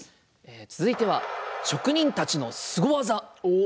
続いては職人たちのすご技。